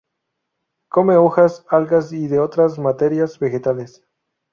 Come hojas, algas y de otras materias vegetales.